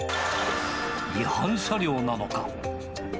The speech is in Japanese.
違反車両なのか。